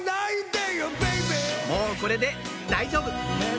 もうこれで大丈夫！